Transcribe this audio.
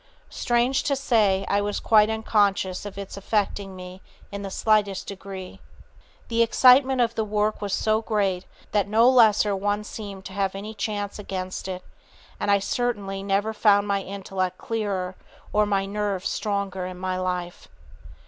Strange to say, I was quite unconscious of its affecting me in the slightest degree. "_The excitement of the work was so great that no lesser one seemed to have any chance against it, and I certainly never found my intellect clearer or my nerves stronger in my life.